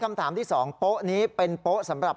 คุณผู้ชมไปฟังเธอธิบายแล้วกันนะครับ